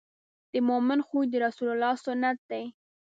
د مؤمن خوی د رسول الله سنت دی.